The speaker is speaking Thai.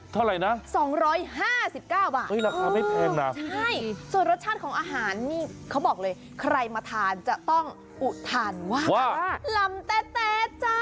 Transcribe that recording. เท่าไหร่นะ๒๕๙บาทราคาไม่แพงนะใช่ส่วนรสชาติของอาหารนี่เขาบอกเลยใครมาทานจะต้องอุทานว่าลำแต๊ะ